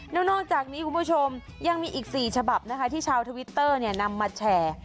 แล้วนอกจากนี้คุณผู้ชมยังมีอีก๔ฉบับนะคะที่ชาวทวิตเตอร์นำมาแชร์